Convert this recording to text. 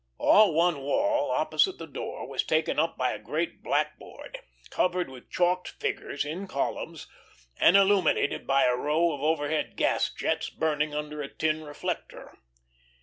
All one wall opposite the door was taken up by a great blackboard covered with chalked figures in columns, and illuminated by a row of overhead gas jets burning under a tin reflector.